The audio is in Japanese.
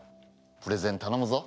プレゼン頼むぞ。